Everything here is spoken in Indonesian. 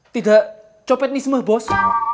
tidak copet nismah bos